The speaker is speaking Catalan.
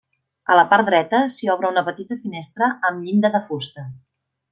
A la part dreta s'hi obre una petita finestra amb llinda de fusta.